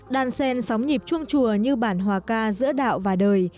đàn sen sóng nhịp chuông chùa như bản hòa ca giữa đạo và đời